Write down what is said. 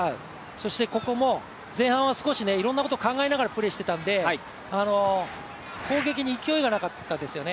そしてここも、前半は少しいろんなことを考えながらプレーしていたんで攻撃に勢いがなかったですよね。